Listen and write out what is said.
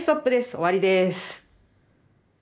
終わりです。